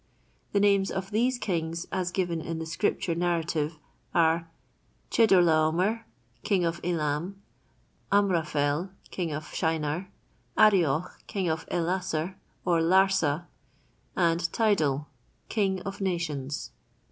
The names of these kings as given in the scripture narrative are Chedorlaomer, king of Elam; Amraphel, king of Shinar; Arioch, king of Ellasar, or Larsa, and Tidal, king of nations.